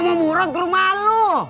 gue mau murot ke rumah lu